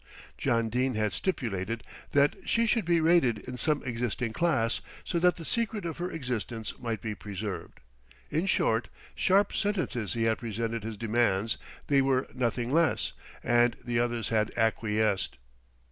John Dene had stipulated that she should be rated in some existing class, so that the secret of her existence might be preserved. In short, sharp sentences he had presented his demands, they were nothing less, and the others had acquiesced.